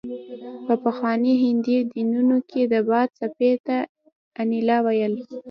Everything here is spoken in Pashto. په پخواني هندي دینونو کې د باد څپې ته انیلا ویل